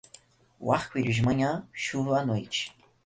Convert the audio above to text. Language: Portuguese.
O arco-íris de manhã, chuva à noite.